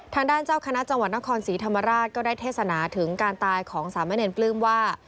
ทางด้านเจ้าคณะจังหวัดนครศรีธรรมราชก็ได้เทศนาถึงการตายของสามเณรปลื้มว่า